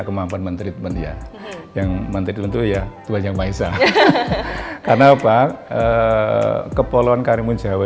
kemampuan menteri penia yang menteri tentunya banyak maesah karena apa kepolon karimun jawa